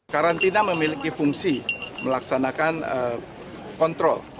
karantina memiliki fungsi melaksanakan kontrol